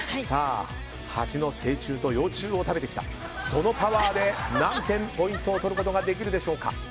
ハチの成虫と幼虫を食べてきたそのパワーで何点ポイントを取ることができるでしょうか。